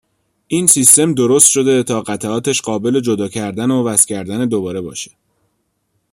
این سیستم درست شده تا قطعاتش قابل جدا کردن و وصل کردن دوباره باشد.